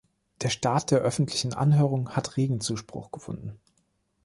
Der Start der öffentlichen Anhörung hat regen Zuspruch gefunden.